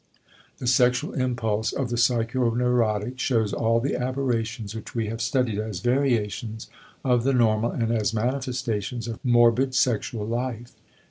_ The sexual impulse of the psychoneurotic shows all the aberrations which we have studied as variations of the normal and as manifestations of morbid sexual life.